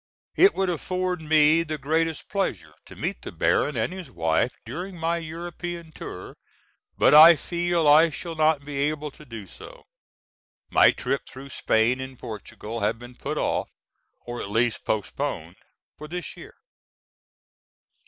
It would afford me the greatest pleasure to meet the Baron and his wife during my European tour, but I fear I shall not be able to do so. My trip through Spain and Portugal has been put off, or at least postponed, for this year.